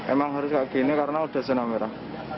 emang harus kayak gini karena udah zona merah